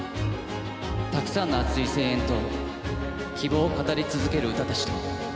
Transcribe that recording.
たくさんの熱い声援と希望を語り続ける歌でした。